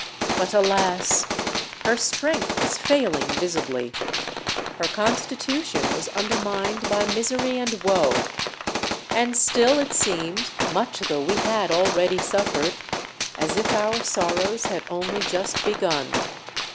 But, alas! her strength was failing visibly: her constitution was undermined by misery and woe! And still it seemed, much though we had already suffered, as if our sorrows had only just begun.